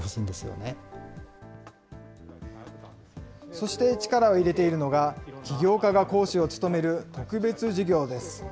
そして、力を入れているのが、起業家が講師を務める特別授業です。